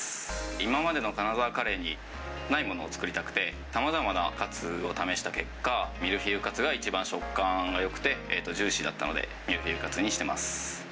今までの金沢カレーにないものを作りたくて、さまざまなカツを試した結果、ミルフィーユカツが一番食感がよくて、ジューシーだったのでミルフィーユカツにしてます。